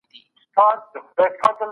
اقتصادي بندیزونه په سیاسي پریکړو تاثیر کوي.